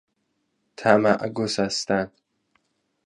طمع گسستن